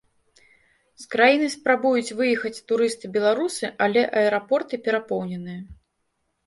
З краіны спрабуюць выехаць турысты-беларусы, але аэрапорты перапоўненыя.